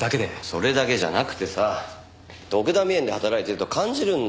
それだけじゃなくてさドクダミ園で働いてると感じるんだよ。